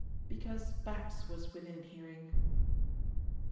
'Because Babs was within hearing.